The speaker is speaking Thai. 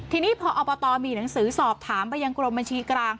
ทีนี้พออบตมีหนังสือสอบถามไปยังกรมบัญชีกลาง